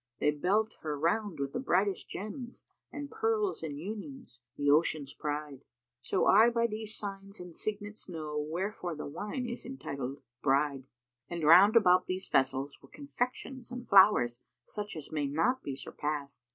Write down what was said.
They belt her round with the brightest gems, * And pearls and unions, the Ocean's pride; So I by these signs and signets know * Wherefore the Wine is entitled 'Bride.'[FN#306]" And round about these vessels were confections and flowers, such as may not be surpassed.